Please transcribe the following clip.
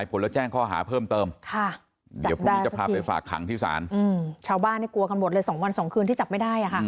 โปรดติดตามตอนต่อไป